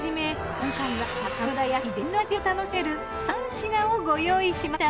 今回は中村家秘伝の味を楽しめる三品をご用意しました。